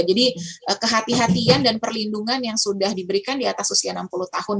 jadi kehatian dan perlindungan yang sudah diberikan di atas usia enam puluh tahun